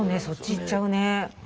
そっちいっちゃうね。